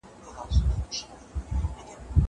د پسه به لوى خرږى وو